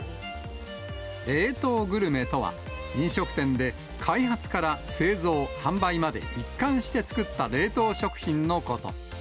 冷凍グルメとは、飲食店で開発から製造・販売まで、一貫して作った冷凍食品のこと。